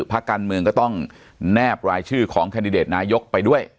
พักการเมืองก็ต้องแนบรายชื่อของแคนดิเดตนายกไปด้วย